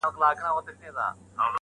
• د موبايل ټول تصويرونهيېدلېپاتهسي,